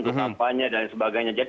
untuk sampahnya dan sebagainya